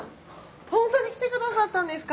本当に来てくださったんですか！